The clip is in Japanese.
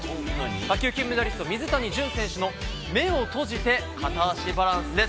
卓球金メダリスト、水谷隼選手の目を閉じて片足バランスです。